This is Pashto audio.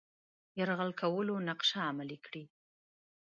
یرغل کولو نقشه عملي کړي.